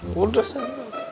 oh udah sayang